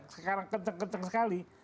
sekarang kenceng kenceng sekali